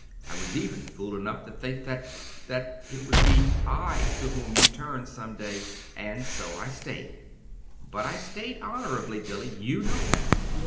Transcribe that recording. I was even fool enough to think that that it would be I to whom you'd turn some day. And so I stayed. But I stayed honorably, Billy! YOU know that!